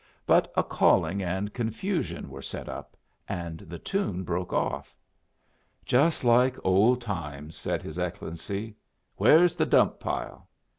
But a calling and confusion were set up, and the tune broke off. "Just like old times!" said his Excellency. "Where's the dump pile!"